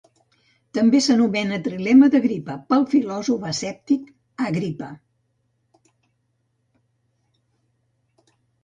També s'anomena trilema d'Agripa pel filòsof escèptic Agripa.